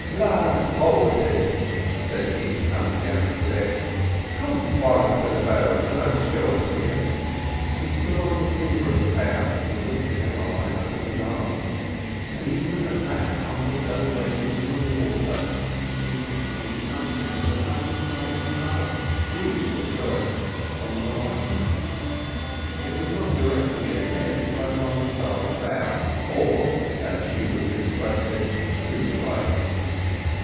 "Land ho! it is," said he, coming down to the deck. "Come for'ard to the bows, and I'll show it you." He stood on the timber in the bows and lifted Emmeline up in his arms; and even at that humble elevation from the water she could see something of an undecided colour—green for choice—on the horizon. It was not directly ahead, but on the starboard bow—or, as she would have expressed it, to the right.